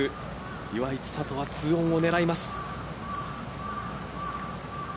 岩井千怜は２オンを狙います。